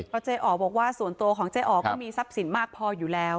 เพราะเจ๊อ๋อบอกว่าส่วนตัวของเจ๊อ๋อก็มีทรัพย์สินมากพออยู่แล้ว